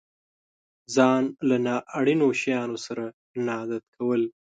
ځان له نا اړينو شيانو سره نه عادت کول.